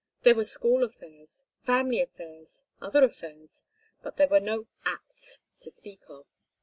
There were school affairs, family affairs, other affairs, but there were no acts to speak of.